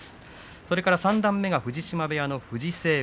それから三段目が藤島部屋の藤青雲。